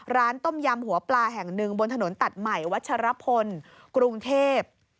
ต้มยำหัวปลาแห่งหนึ่งบนถนนตัดใหม่วัชรพลกรุงเทพ